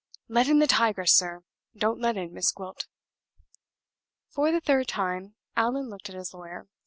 Let in the tigress, sir; don't let in Miss Gwilt!" For the third time Allan looked at his lawyer.